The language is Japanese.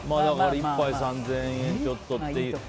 １杯３０００円ちょっとっていう。